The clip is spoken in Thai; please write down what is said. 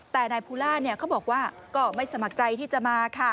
แต่นายภูล่าเขาบอกว่าก็ไม่สมัครใจที่จะมาค่ะ